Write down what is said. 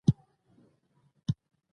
د جنت ګل غروال جرم هم همدغه وو چې و وژل شو.